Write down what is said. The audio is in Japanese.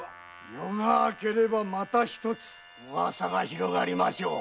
夜が明けたらまた一つウワサが広がりましょう。